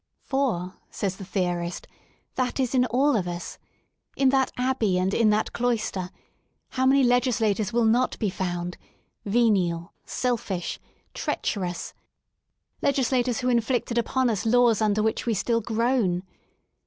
For, says the Theorist that is in all of us, in that abbey and in that cloister, how many legislators will not be found, venial, selfish ^ treacherous, legislators who inflicted upon us laws under which we still groan?